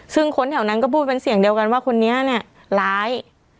ซึ่งคนแถวนั้นก็พูดเป็นเสียงเดียวกันว่าคนนี้เนี่ยร้าย